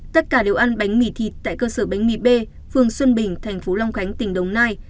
thì thịt tại cơ sở bánh mì b phường xuân bình thành phố long khánh tỉnh đồng nai